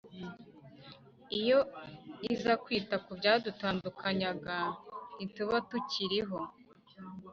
Iyo iza kwita kubyadutandukanyaga ntituba tukiriho